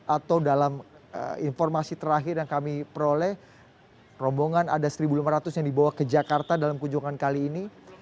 atau dalam informasi terakhir yang kami peroleh rombongan ada satu lima ratus yang dibawa ke jakarta dalam kunjungan kali ini